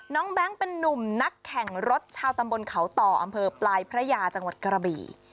แบงค์เป็นนุ่มนักแข่งรถชาวตำบลเขาต่ออำเภอปลายพระยาจังหวัดกระบี่